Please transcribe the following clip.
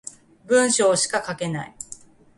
文章しか書けない